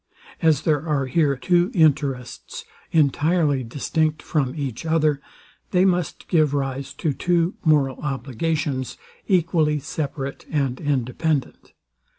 As there are here two interests entirely distinct from each other, they must give rise to two moral obligations, equally separate and independent.